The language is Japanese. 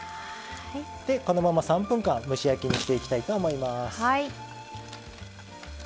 このまま３分間蒸し焼きしていきたいと思います。